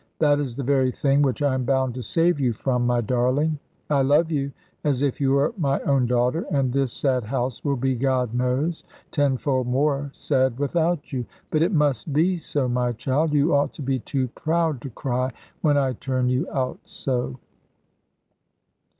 That is the very thing which I am bound to save you from, my darling. I love you as if you were my own daughter; and this sad house will be, God knows, tenfold more sad without you. But it must be so, my child. You ought to be too proud to cry, when I turn you out so."